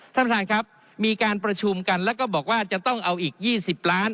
ท่านประธานครับมีการประชุมกันแล้วก็บอกว่าจะต้องเอาอีก๒๐ล้าน